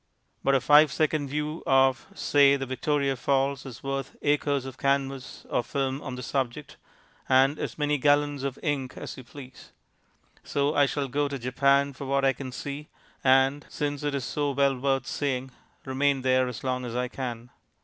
But a five second view of (say) the Victoria Falls is worth acres of canvas or film on the subject, and as many gallons of ink as you please. So I shall go to Japan for what I can see, and (since it is so well worth seeing) remain there as long as I can.